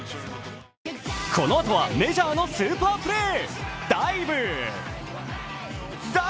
このあとはメジャーのスーパープレー。